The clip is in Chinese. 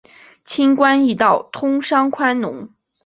轻关易道，通商宽农